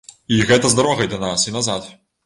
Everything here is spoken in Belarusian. І гэта з дарогай да нас і назад!